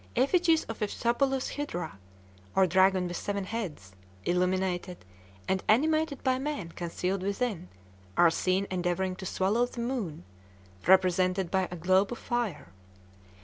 Effigies of the fabulous Hydra, or dragon with seven heads, illuminated, and animated by men concealed within, are seen endeavoring to swallow the moon, represented by a globe of fire.